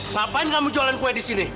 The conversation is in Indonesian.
ngapain kamu jualan kue di sini